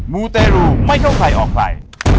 มูแต่หลู่ไม่ต้องใครออกไป